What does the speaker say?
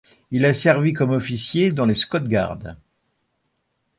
Il a servi comme officier dans les Scots Guards.